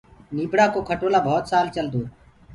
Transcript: نيٚڀڙآ ڪو کٽولآ ڀوت سال چلدوئي